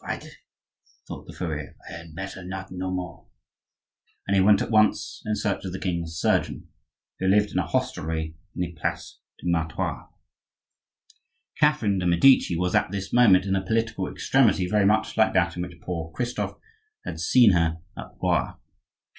"He is right," thought the furrier. "I had better not know more"; and he went at once in search of the king's surgeon, who lived at a hostelry in the place du Martroi. Catherine de' Medici was at this moment in a political extremity very much like that in which poor Christophe had seen her at Blois.